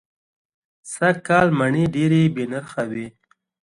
سږ کال مڼې دېرې بې نرخه وې.